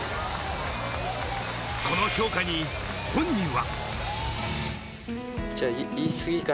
この評価に本人は。